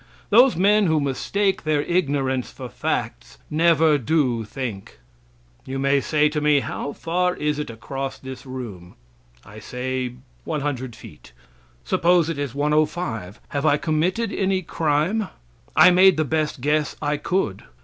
Those men who mistake their ignorance for facts, never do think. You may say to me, "How far is it across this room?" I say 100 feet. Suppose it is 105; have I committed any crime? I made the best guess I could.